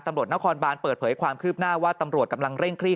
ตำรวจนครบานเปิดเผยความคืบหน้าว่าตำรวจกำลังเร่งคลี่